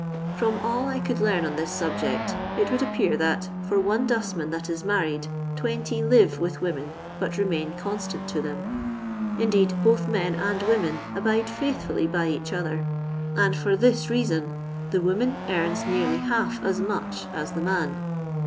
From all I could leara on this subject, it would appear that, for one dustman that is married, 20 live with women, but remain constant to them ; indeed, both men and women abide feithfuUy by each other, and for this reason — the woman earns nearly half as mnch as the man.